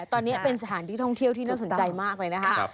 ตอนนี้เป็นสถานที่ท่องเที่ยวที่น่าสนใจมากเลยนะครับ